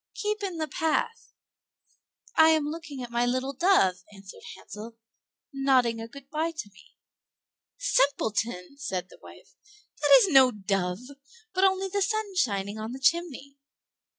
"Keep in the path."—"I am looking at my little dove," answered Hansel, "nodding a good by to me." "Simpleton!" said the wife, "that is no dove, but only the sun shining on the chimney."